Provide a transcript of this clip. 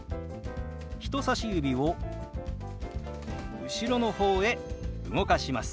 人さし指を後ろの方へ動かします。